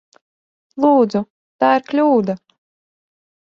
Lūdzu! Tā ir kļūda!